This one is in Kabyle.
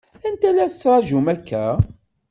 Anta i la tettṛaǧumt akka?